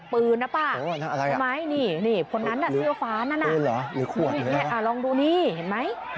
ปืนนะป่าวเพราะไหมนี่พนนั้นเสื้อฟ้านั่นน่ะนี่นี่ลองดูนี่เห็นไหม